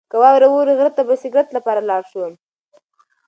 که واوره ووري، غره ته به د سکرت لپاره لاړ شو.